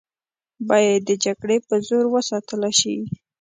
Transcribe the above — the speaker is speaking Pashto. باید د جګړې په زور وساتله شي.